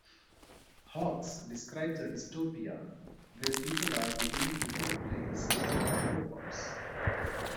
Hawks describes a dystopia where people are beginning to be replaced by robots.